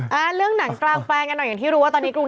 เป็นการกระตุ้นการไหลเวียนของเลือด